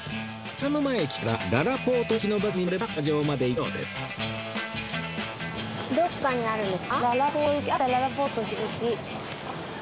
津田沼駅からららぽーと行きのバスに乗れば競馬場まで行けるようです